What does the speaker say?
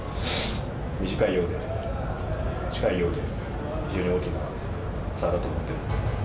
短いようで、近いようで、非常に大きな差だと思っています。